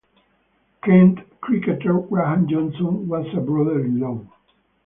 Kent cricketer Graham Johnson was a brother-in-law.